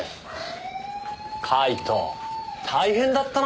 カイト大変だったなぁ！